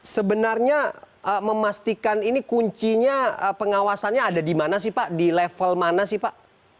sebenarnya memastikan ini kuncinya pengawasannya ada di mana sih pak di level mana sih pak